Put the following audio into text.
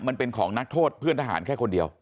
มันเป็นของนักโทษเพื่อนทหารแค่คนเดียว